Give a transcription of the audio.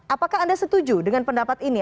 apakah anda setuju dengan pendapat ini